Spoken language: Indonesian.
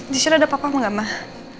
disini ada papa gak mah